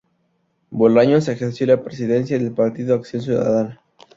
Bolaños ejerció la presidencia del Partido Acción Ciudadana.